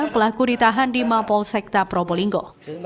pelaku ditahan di mapol sekta probolinggo